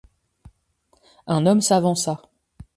Un homme s’avança.